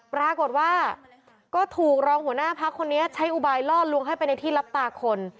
ปรากฏว่าก็ถูกรองหัวหน้าพักคนนี้ใช้อุบายล่อลวงให้ไปในที่รับตาคน